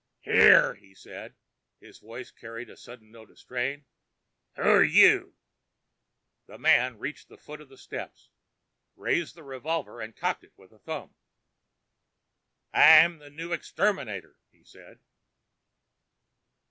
"Here," he said. His voice carried a sudden note of strain. "Who're you?" The man reached the foot of the steps, raised the revolver and cocked it with a thumb. "I'm the new exterminator," he said.